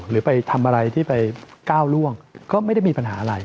หรือไปทำอะไรที่ไปก้าวล่วงก็ไม่ได้มีปัญหาอะไร